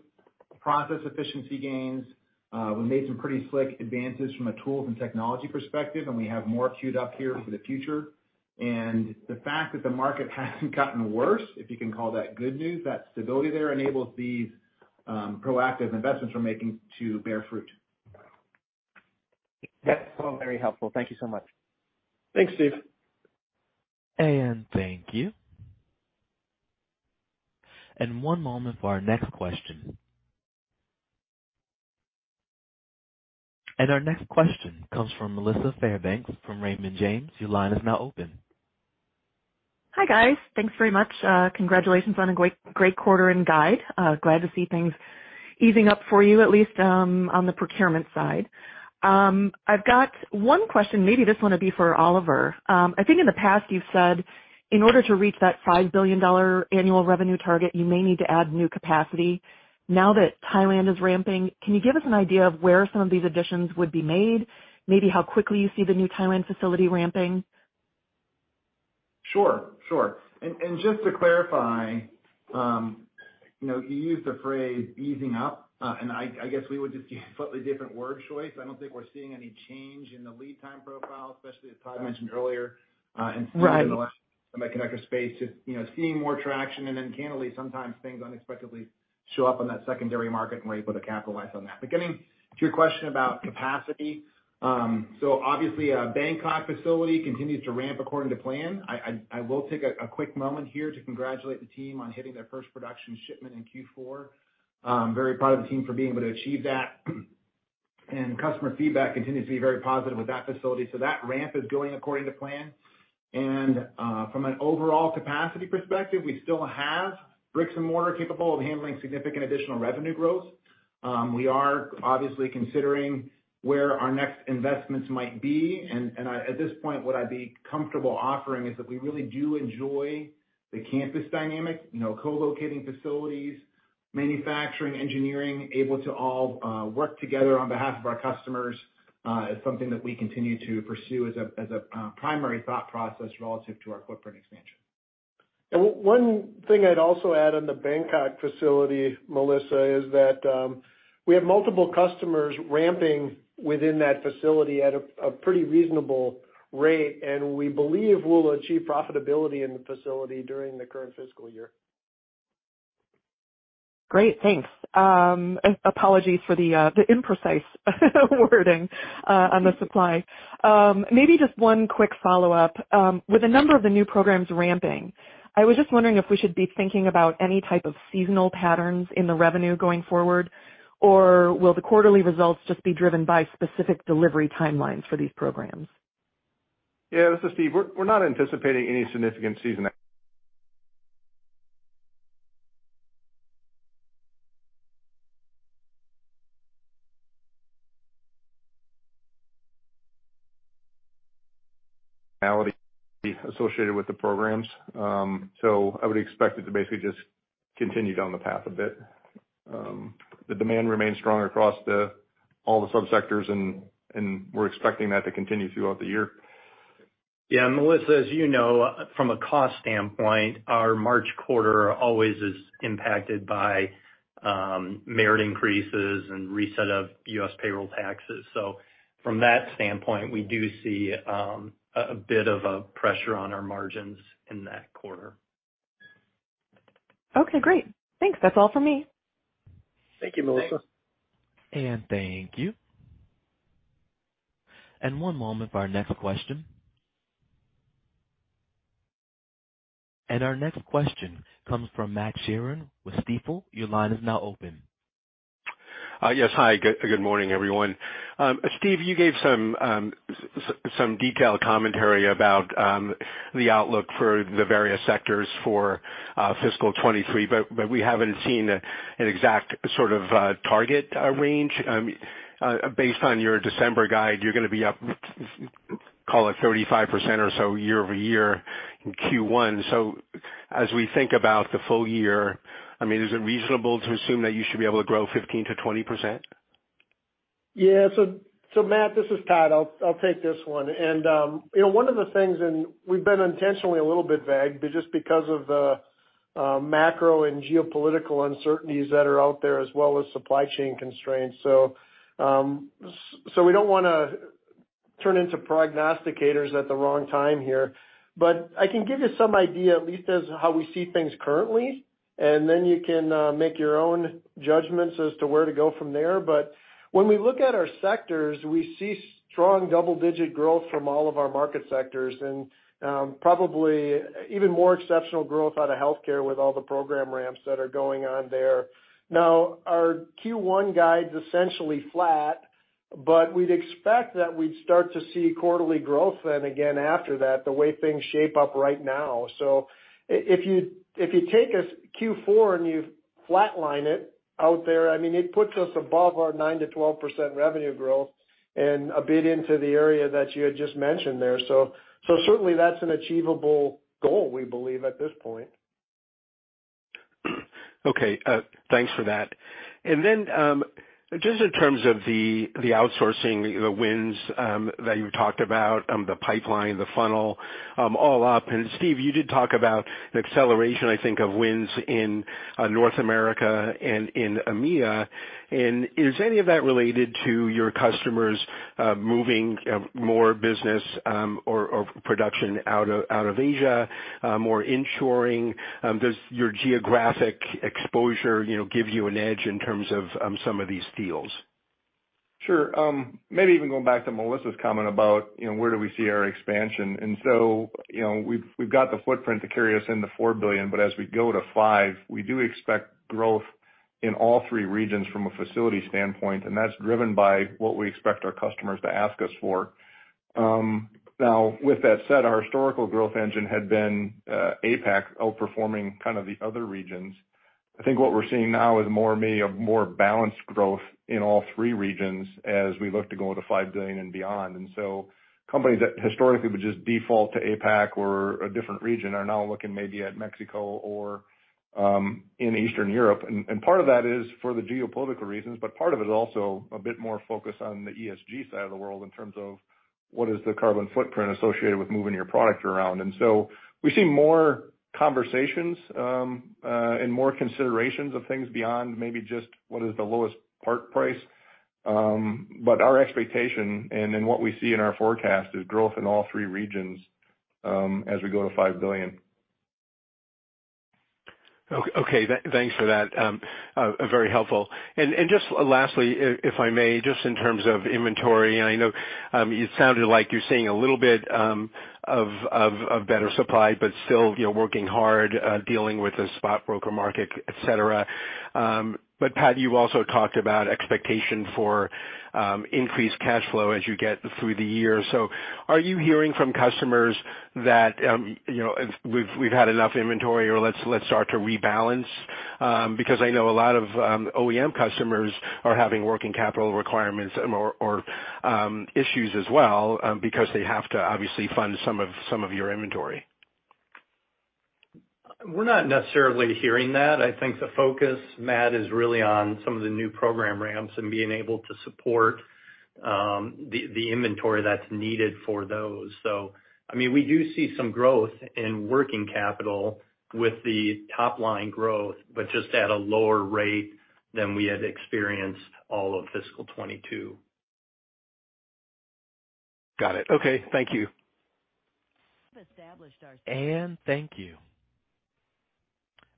process efficiency gains, we made some pretty slick advances from a tools and technology perspective, and we have more queued up here for the future. The fact that the market hasn't gotten worse, if you can call that good news, that stability there enables these proactive investments we're making to bear fruit. That's all very helpful. Thank you so much. Thanks, Steve. Thank you. One moment for our next question. Our next question comes from Melissa Fairbanks from Raymond James. Your line is now open. Hi, guys. Thanks very much. Congratulations on a great quarter and guide. Glad to see things easing up for you at least, on the procurement side. I've got one question. Maybe this one will be for Oliver. I think in the past you've said in order to reach that $5 billion annual revenue target, you may need to add new capacity. Now that Thailand is ramping, can you give us an idea of where some of these additions would be made? Maybe how quickly you see the new Thailand facility ramping? Sure. Just to clarify, you know, you used the phrase easing up, and I guess we would just use slightly different word choice. I don't think we're seeing any change in the lead time profile, especially as Todd mentioned earlier. Right. Seeing the last connector space is, you know, seeing more traction, and then candidly, sometimes things unexpectedly show up on that secondary market and we're able to capitalize on that. Getting to your question about capacity, so obviously our Bangkok facility continues to ramp according to plan. I will take a quick moment here to congratulate the team on hitting their first production shipment in Q4. Very proud of the team for being able to achieve that. Customer feedback continues to be very positive with that facility, so that ramp is going according to plan. From an overall capacity perspective, we still have bricks and mortar capable of handling significant additional revenue growth. We are obviously considering where our next investments might be. At this point, what I'd be comfortable offering is that we really do enjoy the campus dynamic, you know, co-locating facilities, manufacturing, engineering, able to all work together on behalf of our customers, is something that we continue to pursue as a primary thought process relative to our footprint expansion. One thing I'd also add on the Bangkok facility, Melissa, is that we have multiple customers ramping within that facility at a pretty reasonable rate, and we believe we'll achieve profitability in the facility during the current fiscal year. Great. Thanks. Apologies for the imprecise wording on the supply. Maybe just one quick follow-up. With a number of the new programs ramping, I was just wondering if we should be thinking about any type of seasonal patterns in the revenue going forward, or will the quarterly results just be driven by specific delivery timelines for these programs? Yeah. This is Steve. We're not anticipating any significant seasonality associated with the programs. I would expect it to basically just continue down the path a bit. The demand remains strong across all the sub-sectors, and we're expecting that to continue throughout the year. Yeah, Melissa, as you know, from a cost standpoint, our March quarter always is impacted by merit increases and reset of U.S. payroll taxes. From that standpoint, we do see a bit of a pressure on our margins in that quarter. Okay. Great. Thanks. That's all for me. Thank you, Melissa. Thanks. Thank you. One moment for our next question. Our next question comes from Matthew Sheerin with Stifel. Your line is now open. Yes. Hi, good morning, everyone. Steve, you gave some detailed commentary about the outlook for the various sectors for fiscal 2023, but we haven't seen an exact sort of target range. Based on your December guide, you're gonna be up, call it 35% or so year-over-year in Q1. As we think about the full year, I mean, is it reasonable to assume that you should be able to grow 15%-20%? Yeah. Matt, this is Todd. I'll take this one. You know, one of the things we've been intentionally a little bit vague just because of the macro and geopolitical uncertainties that are out there as well as supply chain constraints. We don't wanna turn into prognosticators at the wrong time here, but I can give you some idea at least of how we see things currently, and then you can make your own judgments as to where to go from there. When we look at our sectors, we see strong double-digit growth from all of our market sectors and probably even more exceptional growth out of healthcare with all the program ramps that are going on there. Now, our Q1 guide's essentially flat, but we'd expect that we'd start to see quarterly growth then again after that, the way things shape up right now. If you take us Q4 and you flatline it out there, I mean, it puts us above our 9%-12% revenue growth and a bit into the area that you had just mentioned there. Certainly that's an achievable goal, we believe, at this point. Okay, thanks for that. Just in terms of the outsourcing, the wins that you talked about, the pipeline, the funnel, all up. Steve, you did talk about an acceleration, I think, of wins in North America and in EMEA. Is any of that related to your customers moving more business or production out of Asia, more inshoring? Does your geographic exposure, you know, give you an edge in terms of some of these deals? Sure. Maybe even going back to Melissa's comment about, you know, where do we see our expansion. You know, we've got the footprint to carry us into $4 billion, but as we go to $5 billion, we do expect growth in all three regions from a facility standpoint, and that's driven by what we expect our customers to ask us for. Now with that said, our historical growth engine had been APAC outperforming kind of the other regions. I think what we're seeing now is a more balanced growth in all three regions as we look to go to $5 billion and beyond. Companies that historically would just default to APAC or a different region are now looking maybe at Mexico or in Eastern Europe. Part of that is for the geopolitical reasons, but part of it is also a bit more focused on the ESG side of the world in terms of what is the carbon footprint associated with moving your product around. We see more conversations and more considerations of things beyond maybe just what is the lowest part price. Our expectation and in what we see in our forecast is growth in all three regions as we go to 5 billion. Okay. Thanks for that. Very helpful. Just lastly, if I may, just in terms of inventory, I know you sounded like you're seeing a little bit of better supply, but still, you know, working hard dealing with the spot broker market, et cetera. But Pat, you also talked about expectation for increased cash flow as you get through the year. Are you hearing from customers that, you know, if we've had enough inventory or let's start to rebalance? Because I know a lot of OEM customers are having working capital requirements or issues as well, because they have to obviously fund some of your inventory. We're not necessarily hearing that. I think the focus, Matt, is really on some of the new program ramps and being able to support the inventory that's needed for those. I mean, we do see some growth in working capital with the top-line growth, but just at a lower rate than we had experienced all of fiscal 2022. Got it. Okay. Thank you. Thank you.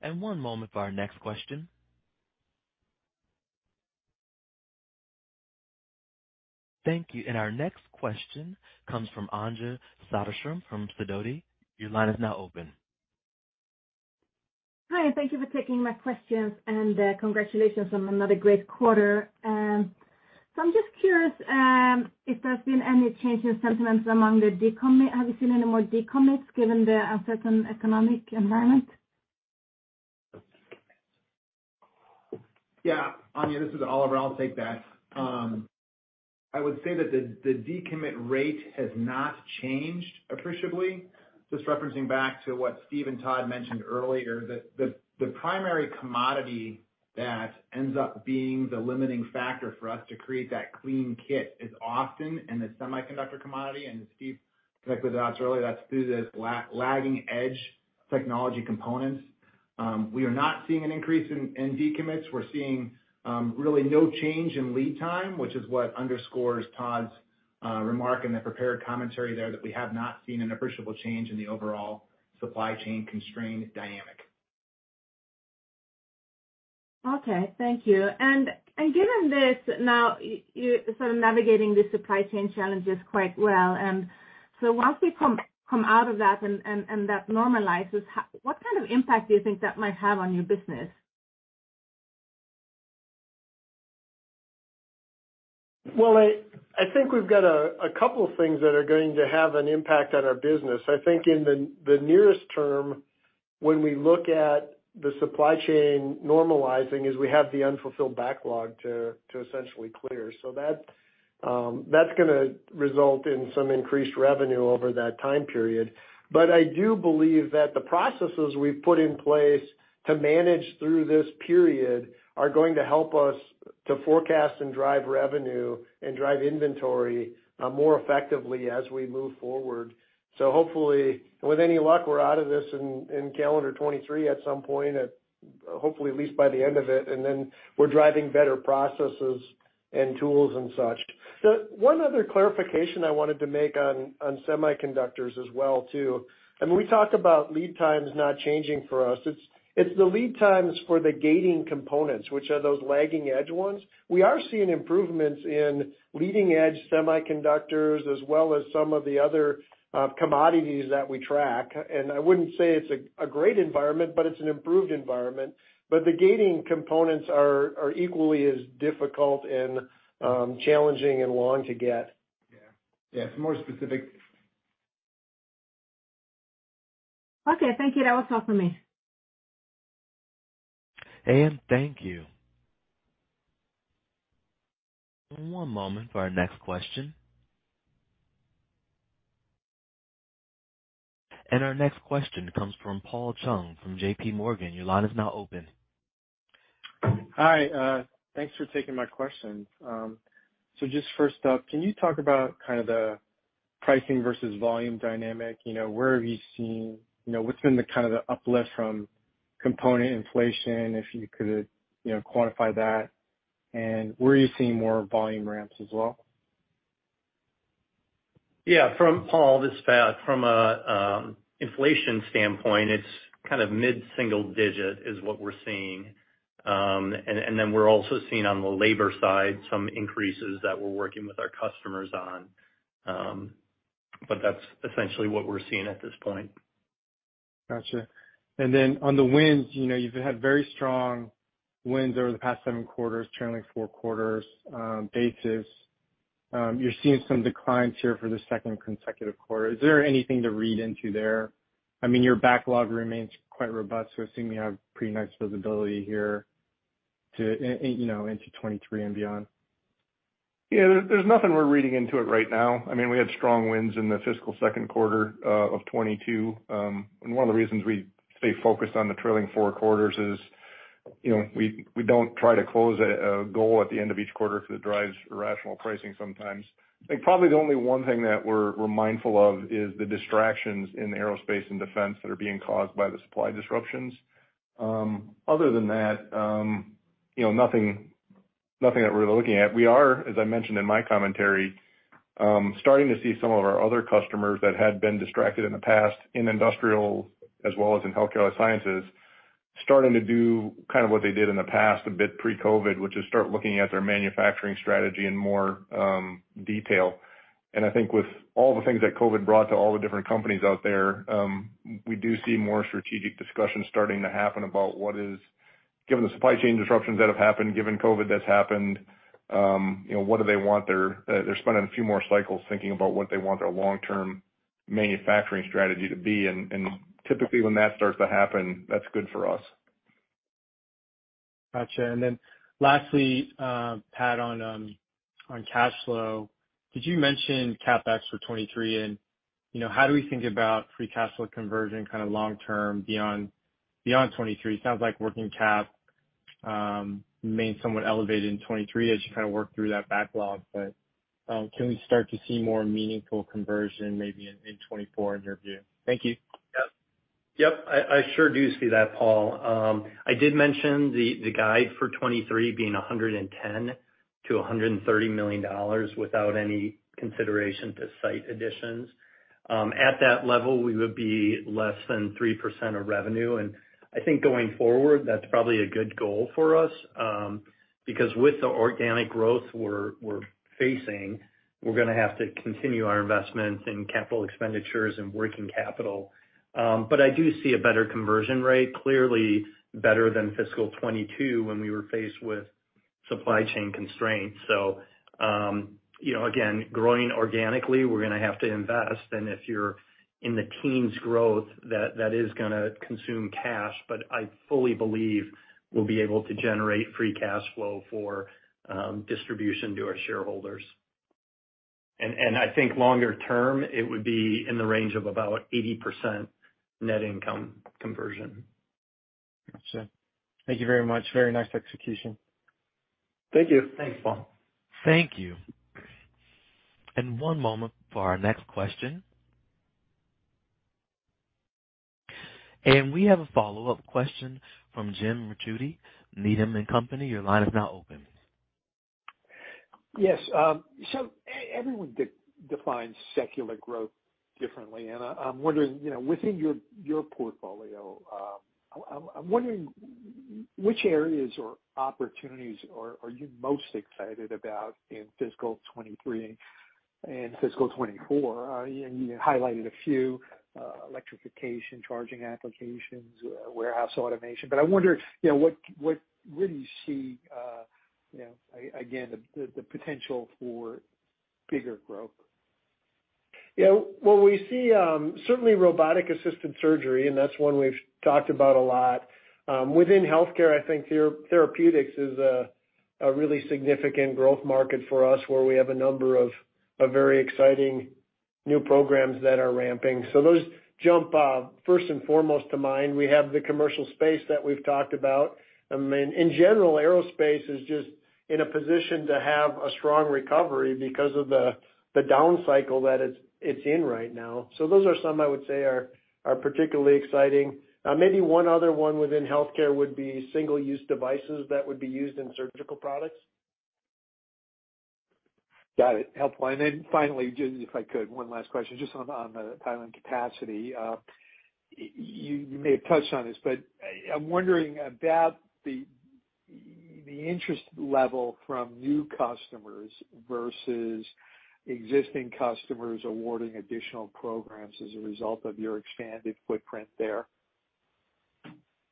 One moment for our next question. Thank you. Our next question comes from Anja Soderstrom from Sidoti & Company. Your line is now open. Hi, thank you for taking my questions, and congratulations on another great quarter. I'm just curious if there's been any change in sentiments among the decommit. Have you seen any more decommits given the uncertain economic environment? Yeah. Anja, this is Oliver. I'll take that. I would say that the decommit rate has not changed appreciably. Just referencing back to what Steve and Todd mentioned earlier, the primary commodity that ends up being the limiting factor for us to create that clean kit is often in the semiconductor commodity. Steve connected the dots earlier, that's through the lagging edge technology components. We are not seeing an increase in decommits. We're seeing really no change in lead time, which is what underscores Todd's remark in the prepared commentary there, that we have not seen an appreciable change in the overall supply chain constraint dynamic. Okay. Thank you. Given this now, you're sort of navigating the supply chain challenges quite well. Once we come out of that and that normalizes, what kind of impact do you think that might have on your business? Well, I think we've got a couple of things that are going to have an impact on our business. I think in the nearest term when we look at the supply chain normalizing, is we have the unfulfilled backlog to essentially clear. That's gonna result in some increased revenue over that time period. I do believe that the processes we've put in place to manage through this period are going to help us to forecast and drive revenue and drive inventory more effectively as we move forward. Hopefully, with any luck, we're out of this in calendar 2023 at some point, at hopefully at least by the end of it. Then we're driving better processes and tools and such. The one other clarification I wanted to make on semiconductors as well too. I mean, we talked about lead times not changing for us. It's the lead times for the gating components which are those lagging edge ones. We are seeing improvements in leading edge semiconductors as well as some of the other commodities that we track. I wouldn't say it's a great environment, but it's an improved environment. The gating components are equally as difficult and challenging and long to get. Yeah. Yeah. It's more specific. Okay. Thank you. That was all for me. Thank you. One moment for our next question. Our next question comes from Paul Chung from JP Morgan. Your line is now open. Hi. Thanks for taking my question. So just first up, can you talk about kind of the pricing versus volume dynamic? You know, where have you seen you know, what's been the kind of uplift from component inflation, if you could, you know, quantify that? Where are you seeing more volume ramps as well? Yeah. Paul, this is Pat. From an inflation standpoint, it's kind of mid-single-digit is what we're seeing. Then we're also seeing on the labor side some increases that we're working with our customers on. That's essentially what we're seeing at this point. Gotcha. On the wins, you know, you've had very strong wins over the past seven quarters, trailing four quarters basis. You're seeing some declines here for the second consecutive quarter. Is there anything to read into there? I mean, your backlog remains quite robust, so it seems you have pretty nice visibility here to and, you know, into 2023 and beyond. Yeah. There's nothing we're reading into it right now. I mean, we had strong wins in the fiscal second quarter of 2022. One of the reasons we stay focused on the trailing four quarters is, you know, we don't try to close a goal at the end of each quarter because it drives irrational pricing sometimes. I think probably the only one thing that we're mindful of is the distractions in aerospace and defense that are being caused by the supply disruptions. Other than that, you know, nothing that we're looking at. We are, as I mentioned in my commentary, starting to see some of our other customers that had been distracted in the past in industrial as well as in healthcare sciences, starting to do kind of what they did in the past a bit pre-COVID, which is start looking at their manufacturing strategy in more detail. I think with all the things that COVID brought to all the different companies out there, we do see more strategic discussions starting to happen. Given the supply chain disruptions that have happened, given COVID that's happened, you know, they're spending a few more cycles thinking about what they want their long-term manufacturing strategy to be. Typically when that starts to happen, that's good for us. Gotcha. Lastly, Pat, on cash flow, did you mention CapEx for 2023? You know, how do we think about free cash flow conversion kind of long term beyond 2023? Sounds like working cap remains somewhat elevated in 2023 as you kind of work through that backlog, but can we start to see more meaningful conversion maybe in 2024 in your view? Thank you. Yep. Yep, I sure do see that, Paul. I did mention the guide for 2023 being $110 million-$130 million without any consideration to site additions. At that level, we would be less than 3% of revenue. I think going forward, that's probably a good goal for us, because with the organic growth we're facing, we're gonna have to continue our investments in capital expenditures and working capital. But I do see a better conversion rate, clearly better than fiscal 2022 when we were faced with supply chain constraints. You know, again, growing organically, we're gonna have to invest. And if you're in the teens growth, that is gonna consume cash. But I fully believe we'll be able to generate free cash flow for distribution to our shareholders. I think longer term, it would be in the range of about 80% net income conversion. Gotcha. Thank you very much. Very nice execution. Thank you. Thanks, Paul. Thank you. One moment for our next question. We have a follow-up question from Jim Ricchiuti, Needham & Company. Your line is now open. Yes. So everyone defines secular growth differently. I'm wondering, you know, within your portfolio, which areas or opportunities are you most excited about in fiscal 2023 and fiscal 2024? You highlighted a few, electrification, charging applications, warehouse automation. I wonder, you know, where do you see, you know, again, the potential for bigger growth? Yeah. Well, we see certainly robotic-assisted surgery, and that's one we've talked about a lot. Within healthcare, I think therapeutics is a really significant growth market for us, where we have a number of very exciting new programs that are ramping. Those jump first and foremost to mind. We have the commercial space that we've talked about. I mean, in general, aerospace is just in a position to have a strong recovery because of the down cycle that it's in right now. Those are some I would say are particularly exciting. Maybe one other one within healthcare would be single-use devices that would be used in surgical products. Got it. Helpful. Finally, just if I could, one last question just on the Thailand capacity. You may have touched on this, but I'm wondering about the interest level from new customers versus existing customers awarding additional programs as a result of your expanded footprint there.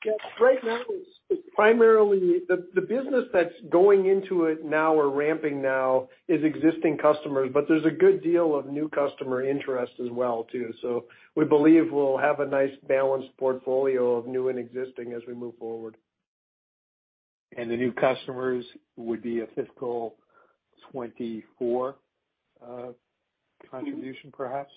Yeah. Right now it's primarily the business that's going into it now or ramping now is existing customers, but there's a good deal of new customer interest as well too. We believe we'll have a nice balanced portfolio of new and existing as we move forward. The new customers would be a fiscal 2024 contribution perhaps?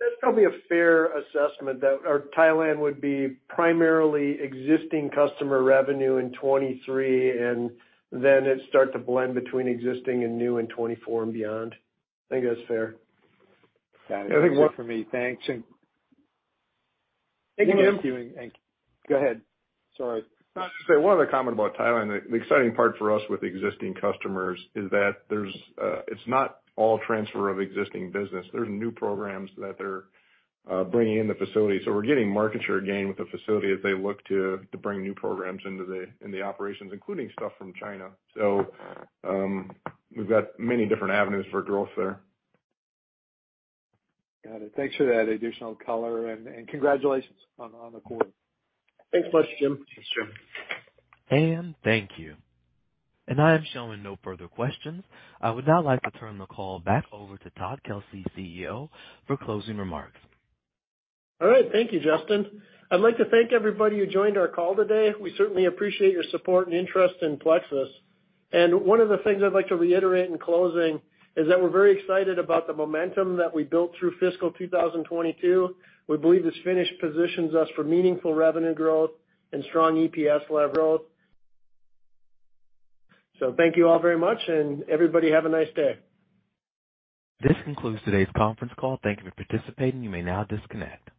That's probably a fair assessment that our Thailand would be primarily existing customer revenue in 2023, and then it start to blend between existing and new in 2024 and beyond. I think that's fair. Got it. I think one. That's it for me. Thanks. Thank you, Jim. Thank you. Go ahead. Sorry. No, I was just saying one other comment about Thailand. The exciting part for us with existing customers is that there's it's not all transfer of existing business. There's new programs that they're bringing in the facility, so we're getting market share gain with the facility as they look to bring new programs into the operations, including stuff from China. We've got many different avenues for growth there. Got it. Thanks for that additional color, and congratulations on the quarter. Thanks much, Jim. Thanks, Jim. Thank you. I am showing no further questions. I would now like to turn the call back over to Todd Kelsey, CEO, for closing remarks. All right. Thank you, Justin. I'd like to thank everybody who joined our call today. We certainly appreciate your support and interest in Plexus. One of the things I'd like to reiterate in closing is that we're very excited about the momentum that we built through fiscal 2022. We believe this finish positions us for meaningful revenue growth and strong EPS level growth. Thank you all very much, and everybody have a nice day. This concludes today's conference call. Thank you for participating. You may now disconnect.